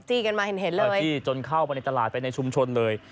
จี้จนเข้ามาในตลาดไปในชุมชนเลย